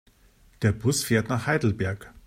Der Bus fährt nach Heidelberg